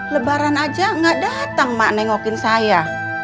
lebaran aja gak datang mak nengokin saya